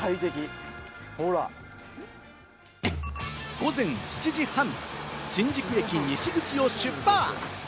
午前７時半、新宿駅西口を出発。